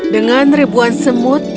dengan ribuan semut